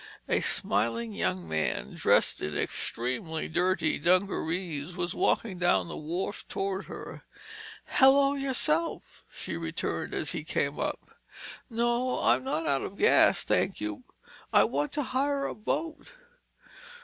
A smiling young man, dressed in extremely dirty dungarees was walking down the wharf toward her. "Hello, yourself!" she returned as he came up. "No, I'm not out of gas, thank you. I want to hire a boat."